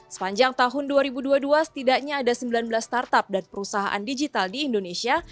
sepanjang tahun dua ribu dua puluh dua setidaknya ada sembilan belas startup dan perusahaan digital di indonesia